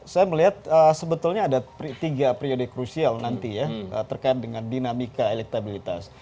saya melihat sebetulnya ada tiga periode krusial nanti ya terkait dengan dinamika elektabilitas